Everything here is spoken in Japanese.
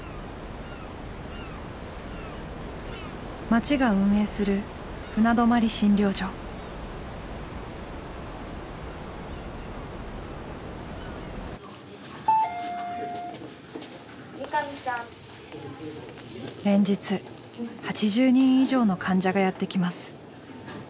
町が運営する連日８０人以上の患者がやって来ます。